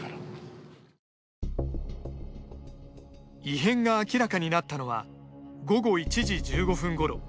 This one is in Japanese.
異変が明らかになったのは午後１時１５分ごろ。